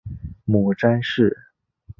母詹氏。